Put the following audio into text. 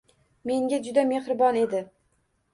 Menga juda mehribon edi.